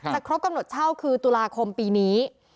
ครบกำหนดเช่าคือตุลาคมปีนี้